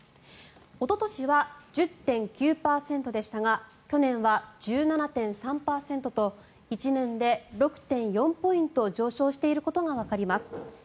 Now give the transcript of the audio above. おととしは１０．９％でしたが去年は１７．３％と１年で６．４ポイント上昇していることがわかります。